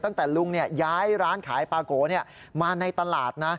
ตั้งแต่ลุงย้ายร้านขายปลาโกมาในตลาดนะ